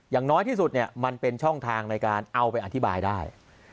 อย่างน้อยที่สุดนี่มันเป็นช่องทางของคุณว่าลงลงไปอธิบายได้